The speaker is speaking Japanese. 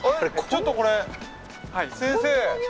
ちょっとこれ先生。